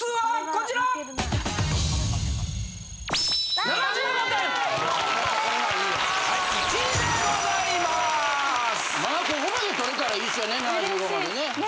ここまで取れたら良いですよね？